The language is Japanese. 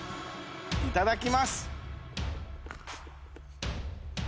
いただきます。